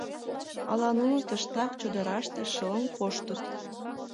Ала нуно тыштак, чодыраште, шылын коштыт.